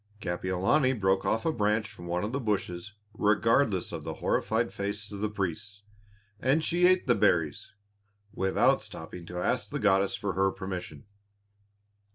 Kapiolani broke off a branch from one of the bushes regardless of the horrified faces of the priests. And she ate the berries, without stopping to ask the goddess for her permission.